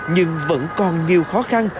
nhưng vẫn còn nhiều khó khăn